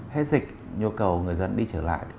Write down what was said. hết dịch nhu cầu người dân đi trở lại